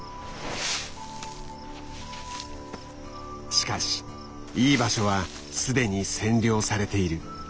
しかしいい場所はすでに占領されている。